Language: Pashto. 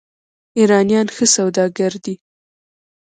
ایرانیان ښه سوداګر دي.